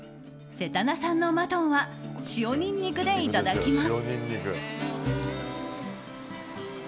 せたな産のマトンは塩ニンニクでいただきます。